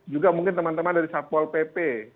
juga mungkin teman teman dari satpol pp